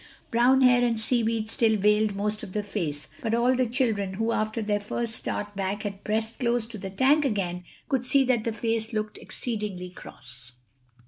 Brown hair and seaweed still veiled most of the face, but all the children, who, after their first start back had pressed close to the tank again, could see that the face looked exceedingly cross.